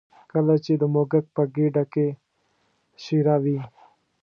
کله چې د موږک په ګېډه کې شېره وي.